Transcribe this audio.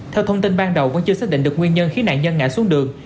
theo thông tin ban đầu vẫn chưa xác định được nguyên nhân khiến nạn nhân ngã xuống đường